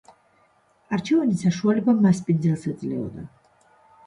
არჩევანის საშუალება მასპინძელს ეძლეოდა.